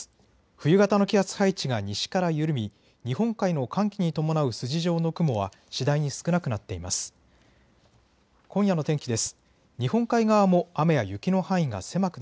冬型の気圧配置が西から緩み日本海の寒気に伴う筋状の雲は次第に少なくなっています。